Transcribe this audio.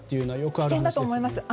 危険だと思います。